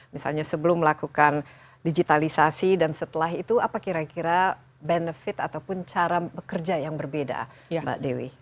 misalnya sebelum melakukan digitalisasi dan setelah itu apa kira kira benefit ataupun cara bekerja yang berbeda mbak dewi